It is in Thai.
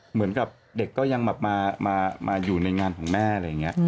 เหมือนกับเด็กก็ยังแบบมาอยู่ในงานของแม่อะไรอย่างนี้